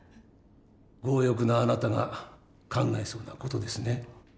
強欲なあなたが考えそうな事ですね。